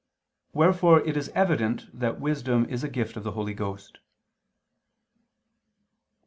Wherefore it is evident that wisdom is a gift of the Holy Ghost.